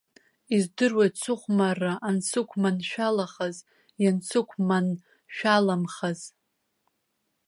Издыруеит сыхәмарра ансықәманшәалахаз, иансықәманшәаламхаз.